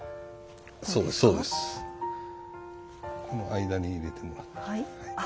この間に入れてもらって。